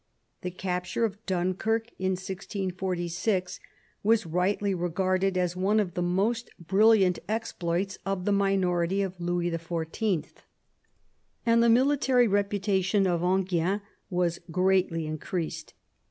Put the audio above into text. The capture of Dunkirk in 1646 was rightly regarded as one of the most brilliant exploits of the minority of Louis XIV., and the military reputation of Enghien was greatly increased.